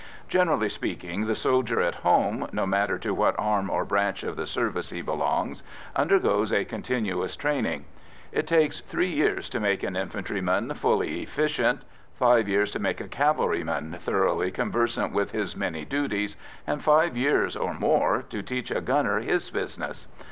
Generally speaking, the soldier at home, no matter to what arm or branch of the service he belongs, undergoes a continuous training. It takes three years to make an infantryman fully efficient, five years to make a cavalryman thoroughly conversant with his many duties, and five years or more to teach a gunner his business.